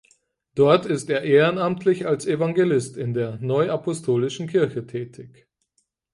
Dort ist er ehrenamtlich als Evangelist in der Neuapostolischen Kirche tätig.